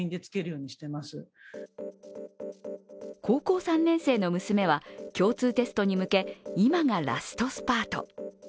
高校３年生の娘は共通テストに向け、今がラストスパート。